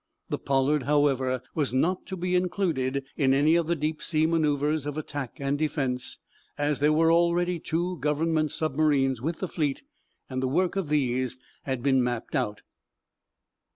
The "Pollard," however, was not to be included in any of the deep sea manoeuvres of attack and defense, as there were already two Government submarines with the fleet, and the work of these had been mapped out.